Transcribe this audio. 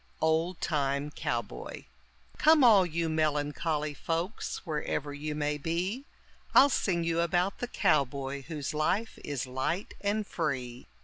OLD TIME COWBOY Come all you melancholy folks wherever you may be, I'll sing you about the cowboy whose life is light and free.